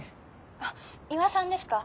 あっ三輪さんですか？